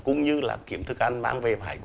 cũng như kiểm thức ăn bán